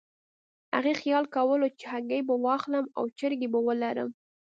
هغې خیال کولو چې هګۍ به واخلم او چرګې به ولرم.